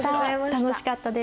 楽しかったです。